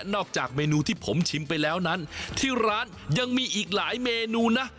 จากเมนูที่ผมชิมไปแล้วนั้นที่ร้านยังมีอีกหลายเมนูนะ